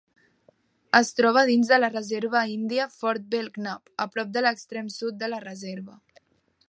Es troba dins de la reserva índia Fort Belknap, a prop de l'extrem sud de la reserva.